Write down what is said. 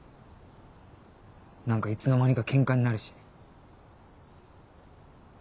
何かいつの間にかケンカになるし。